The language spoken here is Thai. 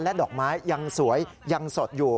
ดอกไม้ยังสวยยังสดอยู่